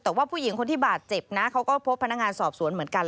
แต่ว่าผู้หญิงคนที่บาดเจ็บนะเขาก็พบพนักงานสอบสวนเหมือนกัน